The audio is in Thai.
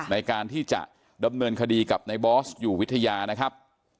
ในการที่จะดำเนินคดีกับในบอสอยู่วิทยานะครับ